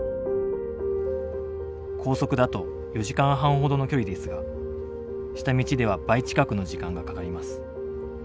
高速だと４時間半ほどの距離ですが下道では倍近くの時間がかかります。